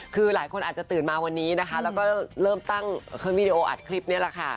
คือหลายคนอาจจะตื่นมาวันนี้นะคะแล้วก็เริ่มตั้งวิดีโออัดคลิปนี้แหละค่ะ